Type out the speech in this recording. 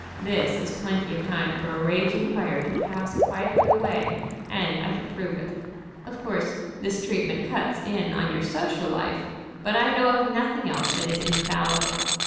This is plenty of time for a raging fire to pass quietly away, and I can prove it. Of course this treatment cuts in on your social life, but I know of nothing else that is infallible.